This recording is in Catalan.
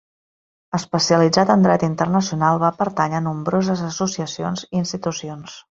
Especialitzat en dret internacional, va pertànyer a nombroses associacions i institucions.